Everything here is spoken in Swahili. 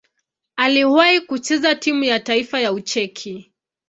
Aliwahi kucheza timu ya taifa ya Ucheki.